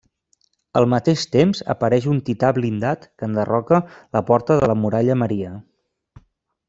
Al mateix temps, apareix un tità blindat que enderroca la porta de la Muralla Maria.